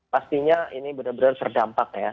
pastinya ini benar benar terdampak ya